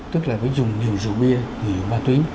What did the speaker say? tức là phải dùng nhiều rượu bia nhiều ma túy